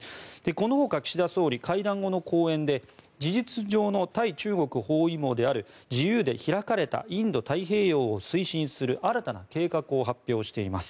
このほか、岸田総理は会談後の講演で事実上の対中包囲網である自由で開かれたインド太平洋を推進する新たな計画を発表しています。